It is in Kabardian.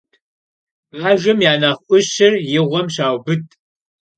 Bajjem ya nexh 'Uşır yi ğuem şaubıd.